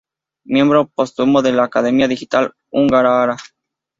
Miembro póstumo de la Academia Digital Húngara.